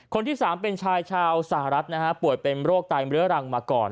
คนที่สามเป็นชายชาวสหรัฐปวดเป็นโรคตายเหลือรังมาก่อน